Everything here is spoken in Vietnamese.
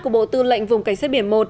của bộ tư lệnh vùng cảnh sát biển một